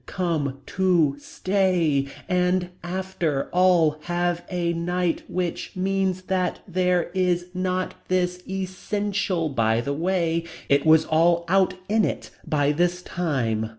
Come. To stay. And. After. All. Have. A. Night. Which. Means. That. There Is. Not This Essential. By that way. It was all out in it. By this time.